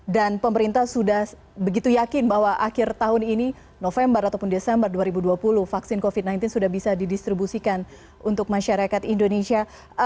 dan pemerintah sudah begitu yakin bahwa akhir tahun ini november ataupun desember dua ribu dua puluh vaksin covid sembilan belas sudah bisa didistribusikan untuk masyarakat indonesia